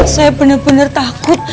saya bener bener takut